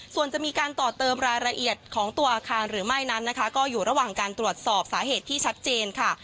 ส่วนจะมีการต่อเติมรายละเอียดของตัวอาคารหรือไม่นั้นนะคะก็อยู่ระหว่างการตรวจสอบสาเหตุที่ชัดเจนค่ะ